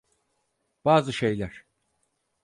Bazı şeyler.